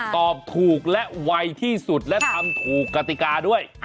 ตอบถูกและไวที่สุดและทำถูกกติกาด้วย